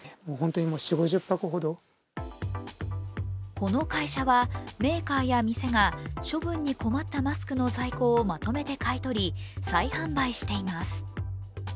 この会社はメーカーや店が処分に困ったマスクの在庫をまとめて買い取り、再販売しています。